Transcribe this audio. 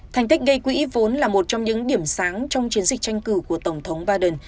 thành tích gây quỹ vốn là một trong những điểm sáng trong chiến dịch tranh cử của tổng thống biden